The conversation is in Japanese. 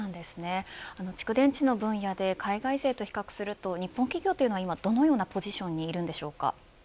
蓄電池の分野で海外勢と比較すると日本企業は今どのようなポジションにいるんでしょうか。